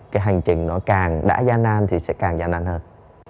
cái hành trình nó càng đã gian nan thì sẽ càng gian nan hơn